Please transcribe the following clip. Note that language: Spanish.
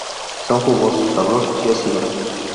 Son jugosos, sabrosos y ácidos.